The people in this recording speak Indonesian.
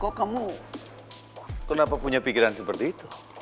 kok kamu kenapa punya pikiran seperti itu